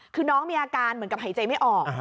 คือน้องมีอาการเหมือนกับหายใจไม่ออก